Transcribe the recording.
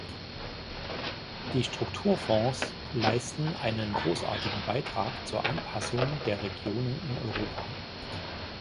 Die Strukturfonds leisten einen großartigen Beitrag zur Anpassung der Regionen in Europa.